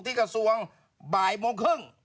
กระทรวงบ่ายโมงครึ่ง